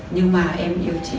nhưng mà em yêu chị